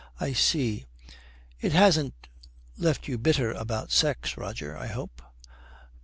'I see. It hasn't left you bitter about the sex, Roger, I hope?'